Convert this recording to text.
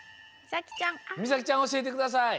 みさきちゃんおしえてください。